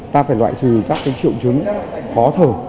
ta phải loại trừ các triệu chứng khó thở